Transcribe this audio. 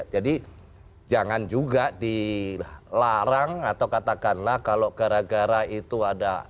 jadi jangan juga dilarang atau katakanlah kalau gara gara itu ada